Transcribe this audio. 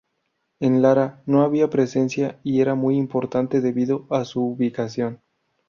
En Lara no había presencia y era muy importante debido a su ubicación.